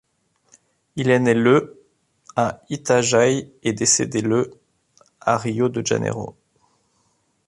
Il est né le à Itajaí et décédé le à Rio de Janeiro.